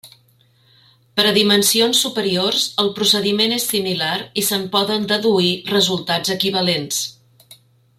Per a dimensions superiors, el procediment és similar i se'n poden deduir resultats equivalents.